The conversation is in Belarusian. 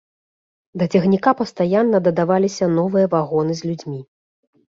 Да цягніка пастаянна дадаваліся новыя вагоны з людзьмі.